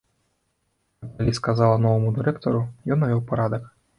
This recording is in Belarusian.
А калі сказала новаму дырэктару, ён навёў парадак.